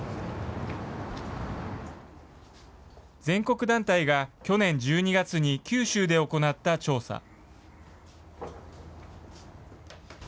全国団体が去年１２月に九州で行った調査。